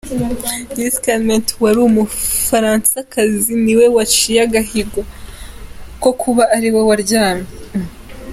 Louise Calment ,wari umufaransakazi niwe waciye agahigo ko kuba ariwe waramye